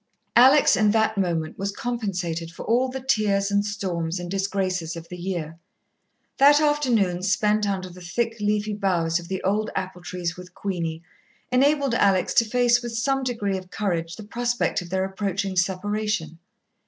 Alex in that moment was compensated for all the tears and storms and disgraces of the year. That afternoon spent under the thick, leafy boughs of the old apple trees with Queenie, enabled Alex to face with some degree of courage the prospect of their approaching separation.